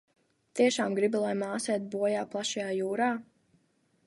Tiešām gribi, lai māsa iet bojā plašajā jūrā?